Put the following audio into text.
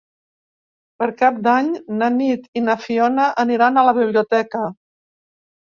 Per Cap d'Any na Nit i na Fiona aniran a la biblioteca.